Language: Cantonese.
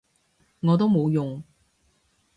我都冇用